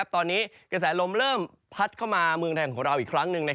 ตอนนี้กระแสลมเริ่มพัดเข้ามาเมืองไทยของเราอีกครั้งหนึ่ง